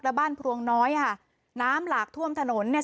และบ้านพรวงน้อยค่ะน้ำหลากท่วมถนนเนี่ย